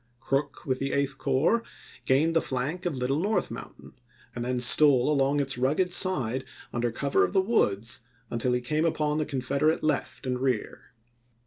Crook, with the Eighth Corps, gained the flank of Little North Mountain, and then stole along its rugged side, under cover Sheridan, of the woods, until he came upon the Confederate Febfs,0i8k left and rear.